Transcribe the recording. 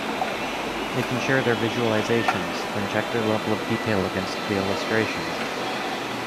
They can share their visualizations, then check their level of detail against the illustrations.